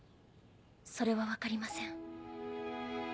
それは分かりません。